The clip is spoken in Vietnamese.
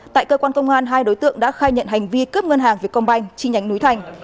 tại cơ quan công an hai đối tượng đã khai nhận hành vi cướp ngân hàng việt công banh chi nhánh núi thành